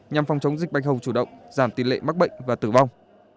nhằm phòng chống dịch bạch hầu chủ động giảm tỷ lệ mắc bệnh và tử vong